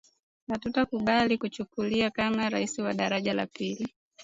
Hatutakubali kuchukulia kama rais wa daraja ya pili